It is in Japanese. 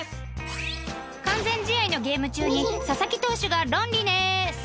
完全試合のゲーム中に佐々木投手が「ロンリネース」？